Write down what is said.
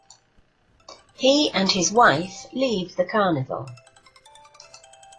He and his wife leave the carnival.